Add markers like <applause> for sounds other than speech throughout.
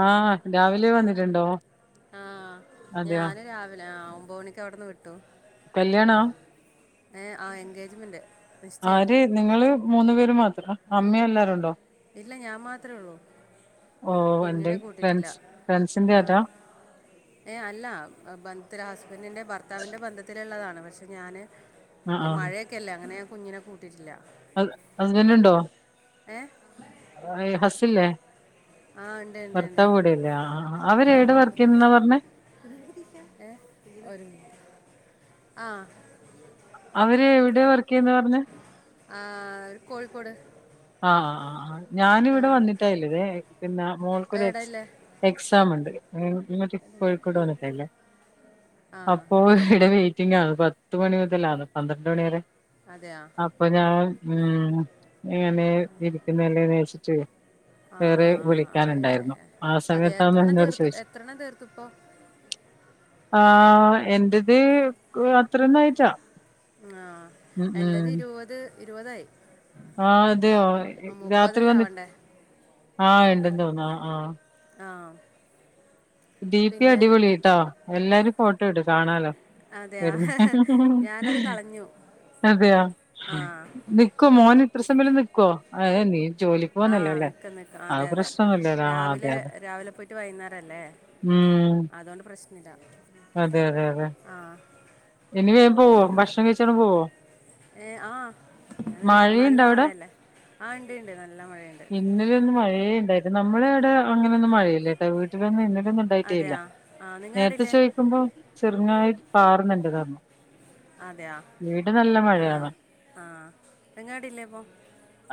ആഹ് രാവിലെ വന്നിട്ടിണ്ട് ആ ഞാന് രാവിലെ ആ ഒമ്പ മണിക്ക് അവിടുന്ന് വി കല്യാണ ഏ ആ എഗേജ്മെന്റ് ആര് നിങ്ങള് മൂന്നു പേര് മാത്ര അമ്മേ എല്ലാരുണ്ടോ ഇല്ല ഞാൻ മാത്രോഉള്ളൂ ഓ എന്റെ ഫ്രണ്ട്സ് ഫ്രണ്ട്സിന്റെ ആ അതാ ഏ അല്ല <unintelligible> ഹസ്ബൻഡിന്റെ ബർത്താവിന്റെ ബന്ധത്തിലള്ളതാണ് പക്ഷെ ഞാൻ ആ മഴയൊക്കെയല്ല അങ്ങനെ കുഞ്ഞിനെ കൂട്ടിട്ടില്ല ആ ഹസ്ബന്റ ഏ വേ ഹസില്ലേ? ആ ഉണ്ട് ഉണ്ട് ഉണ്ട് ഫർത്താവ് ഇവിടെ ഇല്ല ആ ആ അവര് എടെ വർക്കേയെന്നാണ് പറഞ്ഞെ? ഏ ഒരു ആ <unintelligible> അവര് എവിടെയാ വർക്ക്യ്യന്നാ പറഞ്ഞെ? ആ കോഴിക്കോട് ആ ആ ആ ആ ആ ഞാനിവിടെ വന്നിട്ടായില്ലതെ പിന്നെ മോൾക്കൊരു എക്സ് എവിടെയല്ലേ എക്സാം ഉണ്ട്. ഉം നിങ്ങക്ക്‌ കോഴിക്കോട് വന്നട്ടല്ലേ ആ അപ്പോ ഇവിടെ വി റ്റിങ്ങന്ന് പത്ത് മണി മുതലാന്ന് പന്ത്രണ്ട് മണി വരെ അതെയാ അപ്പൊ ഞാൻ ഉം എങ്ങനെ ഇരിക്കുന്നല്ലേന് വിചാരിച്ചിട്ട് <inaudible> ആ വേറെ ആയി ആയി വിളിക്കാനുണ്ടായിരുന്നു ആയി ആ അതെ സമയത്താന്ന് എത്രണ്ണം എന്നോട് തീർത്തു ചോദിച്ചു എത്രണ്ണം തീർത്തു ഇപ്പോൾ ആ എന്റേത് <unintelligible> അത്രന്നയിറ്റാ ആ എന്റേത് ഇരുപത് ഇരുപതായി. ആ അതെയോ രാത്രി മുപ്പതല്ലേ വന്നിട് ആവണ്ടേ ആ ഉണ്ടെന്ന് തോന്നുന്നു ആ ആ. ആ ടി പി പിന്നെ അടിപൊളിട്ടോ എല്ലാരും ഫോട്ടോ ഇട് കാണാലോ. അതെയ വരുന്ന് ഞാനത് കളഞ്ഞു അതെയ ആ നിക്കോ മോന് ഇത്ര സമലം നിക്കുവോ ആ നീ ജോലിക്ക് പോന്നല്ലേ ആഹ് അല്ലേ നിക്കും നിക്കും ആ അതെ അതെ പ്രശ്നമൊന്നുമില്ലല്ലോ ആ അതെ രാവിലെ അതെ രാവിലെ പോയിട്ട് വൈഴിന്നേരല്ലേ? ഉം അതുകൊണ്ട് പ്രശ്നില്ല. അതെ അതെ അതെ ആ ഇനി വേഗം പോവോ ഭക്ഷണം കഴിച്ചാണ്ട് പോവോ ഏ ആ നല്ല മഴയുണ്ട മഴയല്ലേ ആഹ് ഇണ്ട് ഇണ്ട്. ഇന്നല്ലേന്ന് മഴയേ ഉണ്ടായിരുന്നു നമ്മള് അവിടെ അങ്ങനെയൊന്നും മഴയില്ലേട്ടാ വീട്ടിലൊന്ന് ഇ <inaudible> ണ്ടായിട്ടേ ഇല്ല. അതെയാ ആ നിങ്ങൾ നേരത്തെ ഇടില്ലേ ചോദിക്കുമ്പോ ചെറുങ്ങായി പാറുന്നുണ്ടന്ന് പറഞ്ഞു അതെ ആ മഴയാണ് ആ എങ്ങാടില്ലേ ഇപ്പോം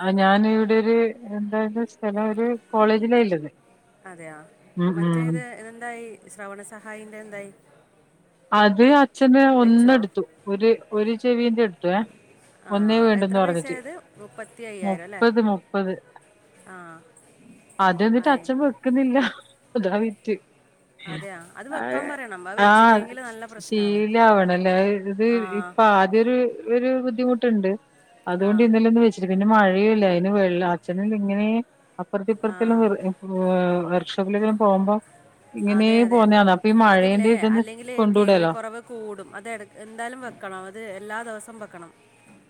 ആ ഞാന് ഇവിടെ ഒരു എന്താണ്ട് സ്ഥലം ഒരു കോളേജിലാഇല്ലത് അതെയാ മറ്റേത് എന്തായി ശ്രവണ സഹായിന്റെ എന്തായി? അത് അച്ഛന് വെച്ചുവോ ഒന്നെടുത്തു, ഒരു ഒരു ചെവിന്റെ എടുത്തു ഏ. ആ ഒന്നേ വേണ്ടന്ന് എത്ര പൈസ പറഞ്ഞിട്ട് ആയത് മുപ്പത്തി അയ്യായിരം ല്ലേ? അതെന്നിട്ട് അച്ഛൻ വെക്കുന്നില്ല അതാ വിറ്റ് അതെയാ അത് വെക്കാൻ പറയണം വെച്ചില്ലെങ്കില് ശീലാവണലേ <unintelligible> ആ ഇപ്പ ആദ്യൊരു ഒരു ഒരു ബുദ്ധിമുട്ടുണ്ട് ആ അതുകൊണ്ട് ഇന്നലൊന്നും വെച്ചിട്ട് പിന്നെ മഴയുല്ലയിരുന് ആയിന്ന് വെള്ള അച്ഛന് ഇങ്ങനെ അപ്പറത്തെ ആ ഇപ്പറത്തെല്ലാം വർക്ക്ഷോപ്പിലെിലും പോവുമ്പോ ഇങ്ങനെ അതെ അതെ പോന്നയാന്ന്. അപ്പൊ ഈ മഴേന്റെ അതില്ലേ ഇതന്ന് അല്ലെങ്കിൽ കേൾവിക്കുറവ് ചൂടും. അത് എന്തായാലും വെക്കണം അത് എല്ലാ ദിവസവും വെക്കണം.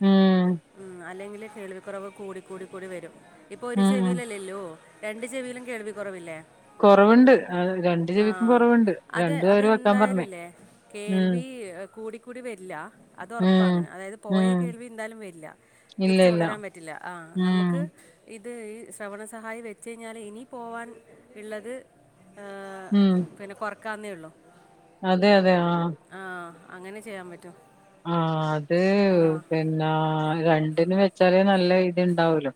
ഉം മ്മ് അല്ലെങ്കില് കേൾവിക്കുറവ് കൂടി കൂടി കൂടി വരും. ഇപ്പൊ ഒരു ഉം ഉം ചെവിയില്ലല്ലോ ഇള്ളു. രണ്ട് ചെവിയിലും കേൾവി കുറവില്ലേ? കൊറവുണ്ട്. രണ്ട് ചെവിക്കും ആഹ് കൊറവുണ്ട് അത് രണ്ടും അവര് വെക്കാൻ പറഞ്ഞേ അതെന്തായാലുംല്ലേ ഉം കേൾവി കൂടി കൂടി വരി <inaudible> വരില്ല അത് ഉം ഉറപ്പാണ് അതായത് പോയ ഉം കേൾവി എന്തായാലും വരില്ല. ഇല്ല തിരിച്ച് ഇല്ല കൊണ്ടുവരാൻ പറ്റില്ലെന്ന്. ആഹ് ഉം നമുക്ക് ഇത് ഈ ശ്രവണ സഹായി വെച്ച് കഴിഞ്ഞാല് ഇനി പോവാൻ ഇള്ളത് ഏഹ് ഉം പിന്നെ കൊറക്കാന്നേ ഉള്ളു. അതെ അതെ ആഹ് അങ്ങനെ ചെയ്യാൻ പറ്റും ആഹ് അത് ആ പിന്നെ രണ്ടിന് വെച്ചാലേ നല്ല ഇത്ണ്ടാവൂലു.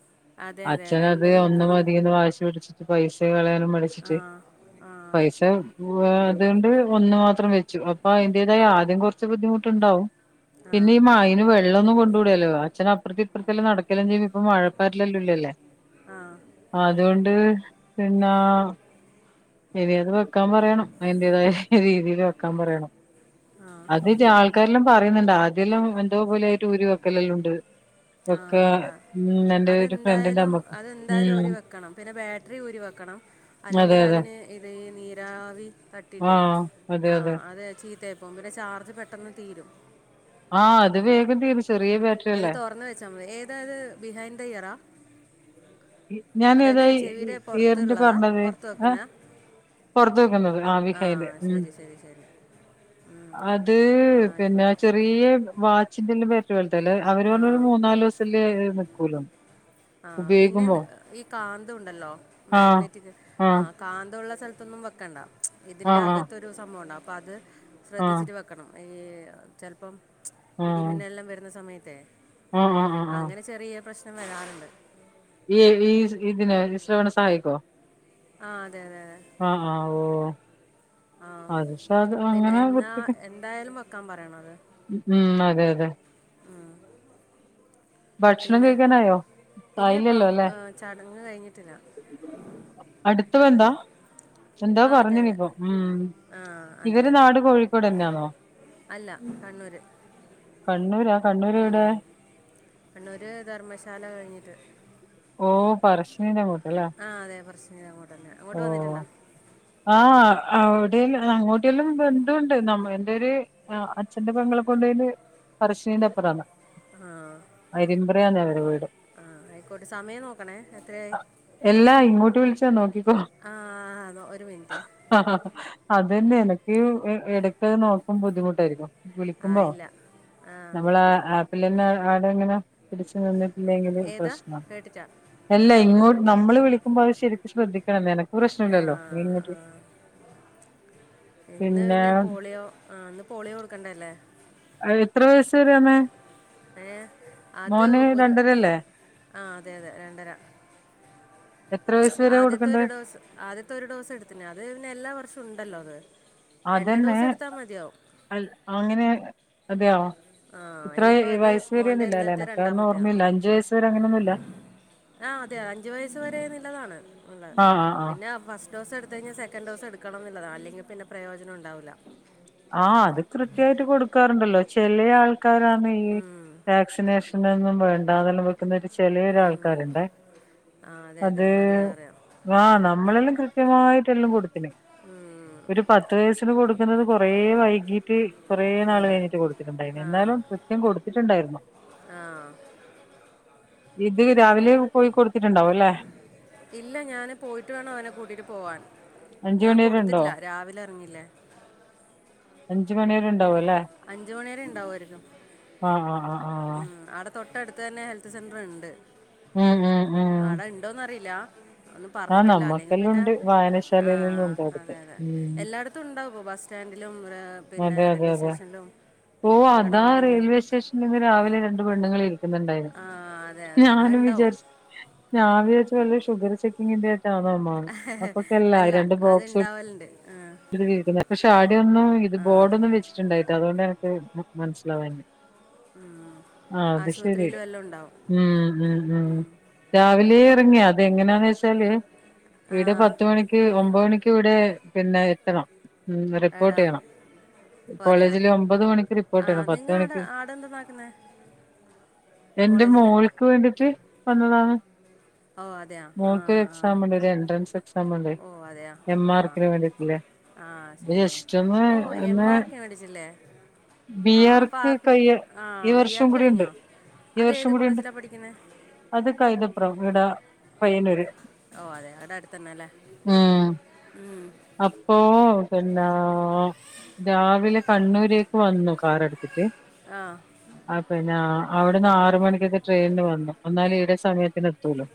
അതെ അതെ അച്ഛന് അത് രണ്ടിനും ഒന്ന് വെക്കണം മതീന്ന് വാശി പിടിച്ചിട്ട് പൈസ കളയാൻ. ആ മടിച്ചിട്ട് ആ പൈസ അത് കൊണ്ട് <unintelligible> പം വെച്ചു അപ്പം അതിന്റേതായ ആദ്യം കുറച്ച് ബുദ്ധിമുട്ടുണ്ടാവും ആ പിന്നെ ഈ മയിന് വെള്ളൊന്ന് കൊണ്ട് കൊടുത്ത് <unintelligible> അച്ഛനോ അപ്രത്തും ഇപ്രത്തെല്ലാം നടക്കെല്ലാം ചെയ്യുമ്പോ ഇപ്പം മഴപ്പാറ്റലെല്ലാം ഇല്ലല്ലേ ആ അതോണ്ട് പിന്നെ ഇനി അത് വെക്കാൻ പറയണം അതിന്റേതായ രീതിയില് വെക്കാൻ പറയണം അത് ച്ചാ ആൾക്കാരെല്ലാം പറയ്ന്ന്ണ്ട് ആദ്യല്ലാം എന്തോപോലായിട്ട് ഊരി വെക്കലെല്ലാം ഉണ്ട് ആഹ് വെക്കാ ആഹ് ആഹ് ഇന്ന് അതെന്തായാലും അതെന്തായാലും ഊരിവെക്കണം പിന്നെ ബാറ്ററി ഊരിവെക്കണം അതെ അല്ലെങ്കിൽ അതെ അതിന് ഇതെ ഈ നീരാവി തട്ടീട്ടേ ആഹ് അതെ ആ അതെ അത് ചീത്തയായി പോകും പിന്നെ ചാർജ് പെട്ടെന്ന് തീരും ആ അത് വേഗം തീരും ചെറിയ ബാറ്ററി അത് അല്ലേ തൊറന്ന് വെച്ചാ മതി ഏതാ അത് ബിഹൈൻന്ത ഇയറാ ഞാൻ ഏതാ അതായത് ഇ ചെവിയുടെ ഇയറിന്റെ പുറത്തുള്ളതാ പറഞ്ഞത് പുറത്ത് എ വെക്കുന്നതാ പൊർത്ത് വെക്കുന്നത് ആ വിഹൈന്റ് ആഹ് ഉം ശരി ശരി ശരി ഉം. അത് ആ പിന്നെ ആയിക്കോട്ടെ ചെറിയ വാച്ചിന്റെല്ലം വെര് പോലത്തെല് അവര് പറഞ്ഞു ഒരു ആഹ് മൂന്നാല് ദിവസല്ല് നിക്കൂലോ ആ ഉപയോഗി പിന്നെ ഈ കാന്തം ഉണ്ടല്ലോ ആഹ് മാഗ്നറ്റിക് ആ ആഹ് കാന്തം ഉള്ള സ്ഥലത്തൊന്നും വെക്കണ്ട ഇതിന്റെ ആഹ് അകത്തൊരു സംഭവംണ്ട് അപ്പൊ അത് ആഹ് ആഹ് ശ്രദ്ധിച്ചിട്ട് വെക്കണം ഈ ചെൽപ്പം ആഹ് ഇടിമിന്നെല്ലം വെര്ന്ന സമയത്തെ ആഹ് ആഹ് ആഹ് ആഹ് അങ്ങനെ ചെറിയ പ്രശ്നം നം വെരാറ്ണ്ട് ഈ ഈ ഇതിനെ <unintelligible> സഹായിക്കോ ആഹ് ആഹ് ആഹ് ഓഹ് ആഹ് അത് പക്ഷെ അത് പിന്നെ അങ്ങനെ എന്നാ വൃത്തിക്ക് എന്തായാലും വെക്കാൻ പറയണം അത് വെറുതെ ഭക്ഷണം കഴിക്കാനായോ ഇല്ലപ്പം ആയില്ലല്ലോ അല്ലെ ഏഹ് ചടങ്ങ് കഴിഞ്ഞിട്ടില്ല എന്തോ പറഞ്ഞനി ഇപ്പം മും ആഹ് അതെ അതെ അല്ല കണ്ണൂര് കണ്ണൂരാ കണ്ണൂര് എവിടെ കണ്ണൂര് ധർമ്മശാല കഴിഞ്ഞിട്ട് ഓ പറശിനീന്റെങ്ങോട്ട് ആഹ് അതെ പറശിനീൻ്റെ അങ്ങോട്ട് തന്നെ അങ്ങോട്ട് ഓഹ് വന്നിട്ടുണ്ടോ ആഹ് അവിടെല്ലാം അങ്ങോട്ടെല്ലാം ബന്ധഉണ്ട് നമ്മ എന്റെ ഒരു ആഹ് അച്ഛന്റെ പെങ്ങളെ കൊണ്ടുപോയത് പറശ്ശിനിന്റെപ്പറാണ് ആഹ് വീട് ആഹ് ആയിക്കോട്ടെ സമയം നോക്കണേ എത്രയി അ- എല്ലാ ഇങ്ങോട്ട് വിളിച്ചാ നോക്കികൊ ആ നോ- ഒരു മിനിറ്റ് അതന്നെ ആല്ലേ ഇയു എ എടക്കത് നോക്കൻ ബുദ്ധിമുട്ടാരിക്കും ആ വിളിക്കുമ്പോ ഇല്ല ആ നമ്മളാ ആപ്പിൽന്നെ ആടെ ഇങ്ങനെ പിടിച്ചു നിന്നി ഇല്ലെങ്കിൽ ഏതാ പ്രശ്നം കേട്ടിട്ടാ എല്ല ഇങ്ങോട്ട് നമ്മള് വിളിക്കുമ്പോ അത് ശരിക്കും ശ്രദ്ധിക്കണം ന്നെനാ പ്രശ്ന ആ ഇല്ലല്ലോ ആ നീങ്ങിട്ട് ഇന്ന് പിന്നെ പോളിയോ ആഹ് ഇന്ന് പോളിയോ കൊടുക്കണ്ടല്ലേ അഹ് എത്ര വയസ് വേരയാന്നെ ഏ അത് ഒരു രണ്ടരല്ലേ ആ അതെ അതെ രണ്ടര എത്ര വയസ്സ് വരെ ആദ്യത്തെ കൊടുക്കണ്ടേ ഒരു ഡോസ് ആദ്യത്തെ ഒരു ഡോസ് എടുത്തിന് അത് പിന്നെ എല്ലാ വർഷവും ഉ ണ്ടല്ലോ അത് രണ്ട് അതെന്നെ ഡോസ് എടുത്താൽ മതിയാവും അൽ അങ്ങനെ അതെയോ ആഹ് ഇത്ര ഇനിയിപ്പോ അത് വയസ്സ് മോന്റെ വരെയെന്നില്ല അല്ലെ ഇന്നത്തെ എനക്കതൊന്നും രണ്ടാമത്തെയാ ഓർമ്മയില്ല അഞ്ച് വയസ് വരെ അങ്ങനെയൊന്നുവില്ല ആ അതെ അഞ്ച് വയസ്സ് വരെ എന്നുള്ളതാണ് ഉള്ളത് ആ ആ ആ പിന്നെ ഫ ഡോസ് എടുത്തഴിഞ്ഞാ സെക്കൻഡ് ഡോസ് എടുക്കണംന്നില്ല അല്ലെങ്കി പിന്നെ പ്രയോജനൊണ്ടാവ്ല ആഹ് അത് കൃത്യയിട്ട് കൊടുക്കാറിണ്ടല്ലോ ചെലെ ആൾ കാറാണ് ഈ ഉം വാക്സിനേഷനൊന്നും വേണ്ടനെല്ലൊ പ കുന്ന ഉം ചെല്ലേരാൾക്കാരിണ്ടേ ആ അതെ അതെ അത് അറിയാം അറിയാം ആ നമ്മളെല്ലാം ക്യ ത്യമായിട്ടെല്ലോ കൊടുത്തിന് ഉം ഒരു പത്ത് വയസ്സിന് കൊടുക്കുന്നത് കൊറേ വൈകീട്ട് കൊറേ നാഴ് അതെ കയെഞ്ഞിട്ട് കൊടുത്തിട്ടുണ്ടായിരുന്നു ആ എന്നാലും കൃത്യം കൊടുത്തിട്ടുണ്ടായിരുന്നു ആ ഇത് രാവിലെ പോയി കൊടു ഇല്ല ഞാന് പോയിട്ട് വേണോ അവനെ കൂട്ടീട്ട് പോവാന് അഞ്ച് ഞാൻ മണി വരെ ഉണ്ടോ കൊടുത്തിട്ടില്ല രാവിലെ എറങ്ങില്ലേ അഞ്ച് മണിവരെ ഐണ്ടാവു അല്ലേ മണി വരെ ഉണ്ടാവുമായിരിക്കും ആ ആ ആ ഉം അവിടെ തൊട്ടടുത്ത് തന്നെ ഹെൽത്ത് സെന്റർ ഇണ്ട് ഉം ഉം ഉം ഒന്നും ആഹ് പറഞ്ഞിട്ടില്ല അല്ലെങ്കി നമ്മക്കെല്ലാം പിന്നെ ഉണ്ട് ആ വായനശാലയിലെല്ലാം ഉണ്ട് അടുത്ത് അതെ അതെ ഉം എല്ലായിടത്തും ഉണ്ടാവും ബസ് സ്റ്റാൻ ൻഡിലും ഏ പിന്നെ അതെ അതെ റെയിൽവേ അതെ സ്റ്റേഷൻലും ഓ അതാ റെയിൽവേ സ്റ്റേഷൻല് ഇന്ന് രാവിലെ രണ്ട് പെണ്ണുങ്ങളി രിക്കുണ്ടായിരുന്നു ആ അതെ അതെ അത് ഞാനും ഉണ്ടാവും വിചാരി ഞാൻ വിചാരിച്ച് വെല്ല ഷുഗർ ചെക്കിങ്ങിന്റെ ആന്നോന്നൊ അപ്പൊക്കെല്ല അല്ല രണ്ട് അത് ബോക്സ് ഉണ്ടാവലുണ്ട് ആ, <unintelligible> പക്ഷെ ആട്യൊന്നും ഇത് ബോഡൊന്നും വെച്ചിട്ടിണ്ടായിറ്റ അതൊണ്ട് ടെർന്നൂ മനസ്സിലാവാഞ്ഞെ ഉം ആ അത് ശരി ആശുപത്രിയിലും എല്ലാം ഉണ്ടാവും ഉം ഉം ഉം രാവിലേ ടങ്ങിയ അത് എങ്ങെനാന്ന് വെച്ചാല് ആ ഇടെ പത്ത്മണിക്ക് ഒമ്പത് മണിക്ക് ക് ഇവിടെ പിന്നെ എത്തണം എടാ റിപ്പോട്ടെയ്യണം. ഓ അതെയാ കോളെജിൽ ഒ അമ്പത് മണിക്ക് ആ റിപോർട്ടയ്യണം പത്ത് നിങ്ങൾ ആടെ മണിക്ക് ആടെ എന്താ നോക്കുന്നത് എന്റെ കോളേജിൽ മോൾക്ക് വേണ്ടീട്ട് വന്നതാണ് ഓ അതെയാ ആ മോൾക്ക് ആ എക്സാമിണ്ട് ഒരു എൻട്രൻസ് എക്സാമിണ്ട് ഓ അതെയാ എം ആ ആർക്കിന് വേണ്ടിട്ടില്ലേ ആ അത് ശരിയ ജസ്റ്റ് ഒന്ന് ഓ ഒന്ന് എംമാർക് മേടിച്ചില്ലേ ബി ആ അപ്പോൾ ആർക്ക് ആർക്കിടെക്ട് കയ്യ ആ ഈ ബി വർഷം ആർക്ക് കൂടിണ്ട് കഴിഞ്ഞോ ഈ അത് വർഷം ഏത് കൂടിണ്ട് കോളേജിലാണ് പഠിക്കുന്നത് അത് കൈന്റപ്പുറം ഇടാ പയ്യന്നൂർ ഓ അതെ അവിടെ അടുത്തന്നെല്ലേ ഉം അപ്പൊ പിന്നാ രാവിലെ കണ്ണൂരേക്ക് വന്നു കാർ എടുത്തിട്ട് ആ ആ പിന്ന ആ അവിടുന്ന് ആർ മണികത്തെ ട്രെയിനിന് വന്നു എന്നാലെ ഈടെ സമയത്തിന് എ തുളെളൂ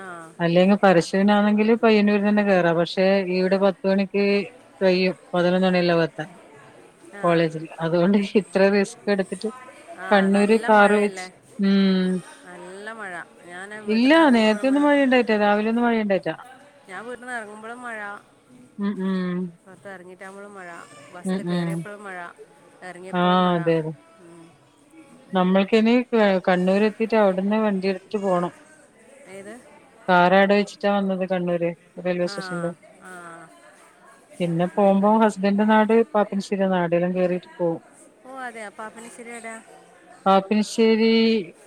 ആ അല്ലെങ്കി പരശൂനാനെണെങ്കില് പയ്യന്നൂര്നെന്നെ കെയറാ പഷെ ഇവിടെ പ ത്ത് മണിക്ക് കഴിയും പതിനൊന്നണിയെല്ലാവെത്താൻ ആ കോളേജിൽ അതുകൊണ്ട് ഇത്ര റിസ്ക് എടുത്തിട്ട് ആ കണ്ണൂര് നല്ല കാറ് വെച്ച് മഴയല്ലേ ഉം നല്ല മഴ ഞാൻ വീട്ടിൽ ഇല്ല നിന്ന് നേര്ത്തെ ഇറങ്ങുമ്പോഴും മഴ ഒന്നും മഴയിണ്ടായിറ്റ രാവിലെ ഒന്ന് മഴണ്ടാ ഞാൻ വീട്ടിന്നെറങ്ങുമ്പഴും മഴ ഉം ഇറങ്ങിട്ടാമ്പളും മഴ ഉം ബസ്സിൽ ഉം കേറ്യേപ്പഴും മഴ എർങ്ങ്യേപ്പഴും ആഹ് മഴ അതെ അതെ നമ്മൾക്കിനി ക കണ്ണൂർ എത്തീട്ട് അവിടുന്ന് വണ്ടിടുത്തിട്ട് പോണം ഏത് കാറാടെ വെച്ചിട്ടാ വന്നത് കണ്ണൂര് റെയിൽവേ ആ സ്റ്റേഷനില് ആ പിന്നെ പോകുമ്പോ ആയിക്കോട്ടെ ഹസ്ബന്റെ നാട് പാപ്പിനശ്ശേരി ഇനാടെല്ലാം കേറീട്ട് പോം ഓ അതെ പാപ്പിനശ്ശേരി എവിട പാപ്പിനശ്ശേരി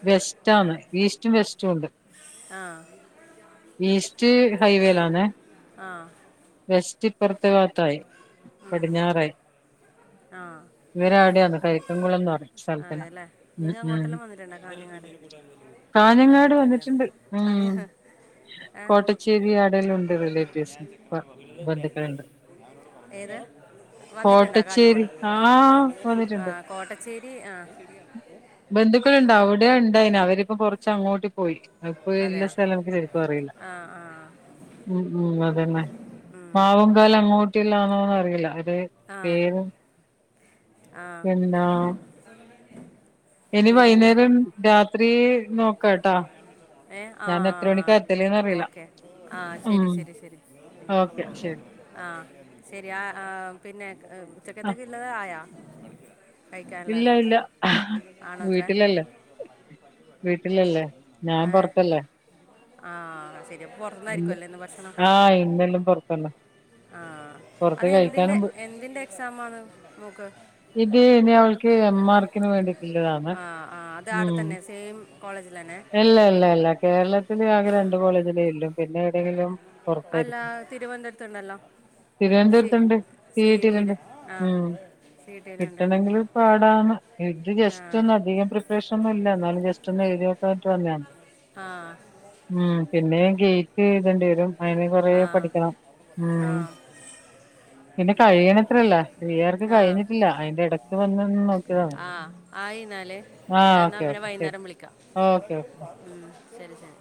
വെസ്റ്റ് ആന്ന് ഈസ്റ്റും വെസ്റ്റുണ്ട് ആ ഈസ്റ്റ് ഹൈവേലാന്നെ ആ വെസ് റ്റ് ഇപ്പർത്ത ഭാത്തായി പടിഞ്ഞാറായി ആ ഇവരാവിടെയന്ന് കരിക്കൻകുളംന്ന് പറ സ്ഥല അതെല്ലേ നിങ്ങ അങ്ങോട്ടല്ലാം വന്നിട്ടുണ്ട കാഞ്ഞങ്ങാട് കാഞ്ഞങ്ങാട് വന്നിട്ടുണ്ട് അറിയ ഉം ആ കോട്ടച്ചേരി ആടെല്ലാം ഉണ്ട് റിലേറ്റീവ്സ് ബന്ധുക്കളുണ്ട് വന്നിട്ടുണ്ടോ കോട്ടച്ചേരി കാഞ്ഞങ്ങോട്ട ആ ആ കോട്ടച്ചേരി ആ ബന്ധുക്കൾുണ്ട അവിടെ ഉണ്ടായിന് അവരിപ്പ കൊറച്ച് അങ്ങോട്ട് പോയി അപ്പോ എല്ല അതെയാ സ്ഥലം മക്ക് ശരിക്കും അറിയില്ല ആ ആ ഉം ഉം അതന്നെ ഉം. മാവൻ കവല അങ്ങോട്ടില്ലാന്ന അറിയില്ല അത് ആ പേര് ആ പിന്താ ഇനി പിന്നെ വൈുന്നേരം രാത്രി നോക്കട്ടാ ഏ ആഹ ആഹ ഓക്കെ ആഹ ശരി ഉം ശരി ശരി ഓക്കെ ശരി ആഹ ശരി ആ പിന്നെ ആ ഉച്ചക്കത്തക്കുള്ളത ആയ ഇല്ല ഇല്ല ആണോ അത്രേ വീട്ടിലല്ലേ വീട്ടില ല്ലേ ഞാൻ പൊറത്തല്ലേ ആഹ ശരി അപ്പ പുറത്തന്നായിരിക്കുവ അല്ലേ ഇന്ന് ഭക്ഷണം ആ ഇന്നെല്ലാം പൊറത്തന്നെ ആഹ പൊറത്ത് കഴിക്കാനും പോ അതന്തിന്റെഎന്തിന്റെ എക്സാമാണ് ആണ് മോക്ക് ക്ക് എംമാർക്കിന് വേണ്ടിട്ടുള്ളതാണ് ആ അത് ഉ അവിടെ തന്നെ സെയിം കോളേജിൽ തന്നെ ഇല്ല ഇല്ല ഇല്ല കേരളത്തില് ആകെ രണ്ട കോളേജില ഇല്ലും പിന്നെ വിടെങ്കിലും അല്ല തിരുവനന്തപുരത്തുണ്ടല്ലോ സി തിരുവനന്തപുരത്തണ്ട് സി ഇ ടിയിൽ പിടിയിലുണ്ട് ആ ഉം സി ഇ ടിയിലുണ്ട് കിട്ടണമെങ്കിൽ പാടാണ് ഇത് ആ ജസ്റ്റ് ഒന്ന അധികം പ്രിപ്പറേഷൻ ഒന്നുമല്ല എന്നാലും ജസ്റ്റ് ഒന്ന് എഴുതി നോക്കാനായിട്ട്ന്നതാണ് ആ ഉം പിന്നെ ഗേറ്റ് എഴുതേണ്ടി വരും അയിന് കൊറ ആ പഠിക്കണം ഉ ആ പിന്നെ കഴിയണത്രല്ല നിയർക്ക് ആ കഴിഞ്ഞിട്ടില്ല അതിന്റെ ഇടക്ക് വന്നന്ന് നോക്കിയതാണ് ആ ആയി എന്നാല് ഞാൻ എന്നാൽ പിന്നെ വൈകുന്നേരം വിളിക്കാം ഓക്കേ ഓക്കെ ഉം, ശരി ശരി